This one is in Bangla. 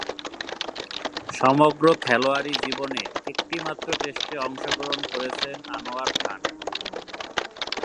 সমগ্র খেলোয়াড়ী জীবনে একটিমাত্র টেস্টে অংশগ্রহণ করেছেন আনোয়ার খান।